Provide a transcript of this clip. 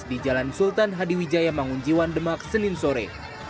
di jalan sultan hadi wijaya mangunjiwan demak senin sore